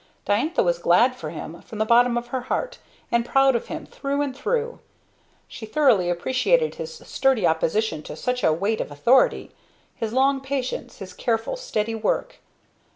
Diantha was glad for him from the bottom of her heart, and proud of him through and through. She thoroughly appreciated his sturdy opposition to such a weight of authority; his long patience, his careful, steady work.